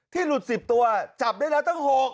หลุด๑๐ตัวจับได้แล้วตั้ง๖